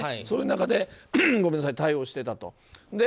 そういう中で対応をしてた。